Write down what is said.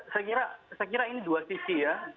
saya kira ini dua sisi ya